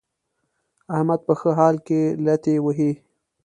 احمد په ښه حال کې لتې وهي.